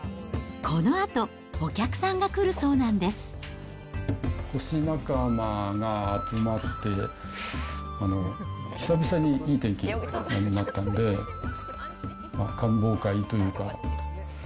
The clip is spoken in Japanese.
このあと、星仲間が集まって、久々にいい天気になったので、観望会というか。